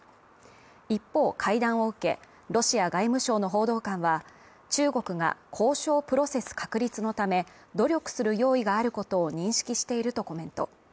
一方、会談を受け、ロシア外務省の報道官は中国が交渉プロセス確立のため努力する用意があることを認識しているとコメント。